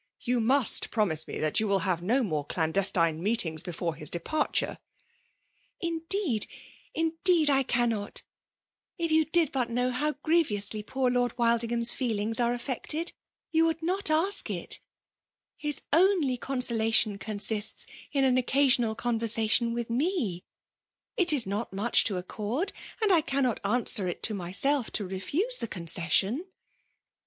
^ Yoa musi pro iftiae me that you wfll hav^e no more claodes tine meetmga before his depariorel ''Indeed — indeed I cannot ! If yon did but know how grievously poor IxNrd Wild^ ingham 8 feelings are aflRscted^ you iranld not aak ii. His only ccfkiaolation consists in an occasional conversation with mei it is not mudi to accords and I cannot answer it to myself to refuse the concessitm.